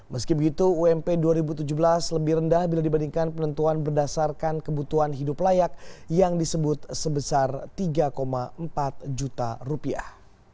meski begitu ump dua ribu tujuh belas lebih rendah bila dibandingkan penentuan berdasarkan kebutuhan hidup layak yang disebut sebesar tiga empat juta rupiah